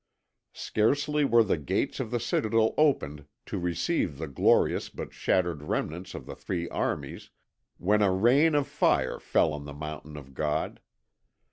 Scarcely were the gates of the citadel opened to receive the glorious but shattered remnants of the three armies, when a rain of fire fell on the Mountain of God.